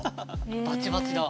バチバチだ。